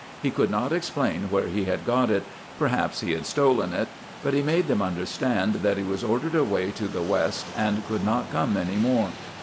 He could not explain where he had got it; perhaps he had stolen it. But he made them understand that he was ordered away to the west and could not come any more.